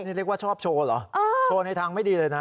นี่เรียกว่าชอบโชว์เหรอโชว์ในทางไม่ดีเลยนะ